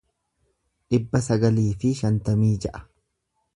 dhibba sagalii fi shantamii ja'a